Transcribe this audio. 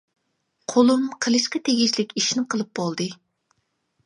قولۇم قىلىشقا تېگىشلىك ئىشنى قىلىپ بولدى.